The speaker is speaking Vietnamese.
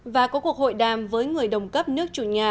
và có cuộc hội đàm với người đồng cấp nước chủ nhà